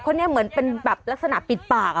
คนนี้เหมือนเป็นแบบลักษณะปิดปากอ่ะคุณ